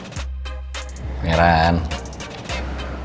siapa yang bakal jadi bintang tamu kita di pesta seni